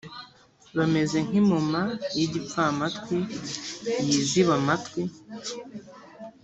bameze nk impoma y igipfamatwi yiziba amatwi